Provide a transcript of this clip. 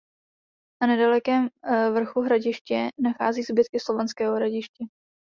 Na nedalekém vrchu Hradiště nachází zbytky slovanského hradiště.